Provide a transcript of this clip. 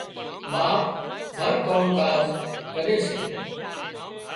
ٻاپ هر ڪام ڪاز ڪري سي